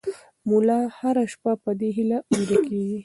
ملا هره شپه په دې هیله ویده کېږي.